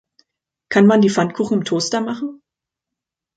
Kann man die Pfannkuchen im Toaster machen?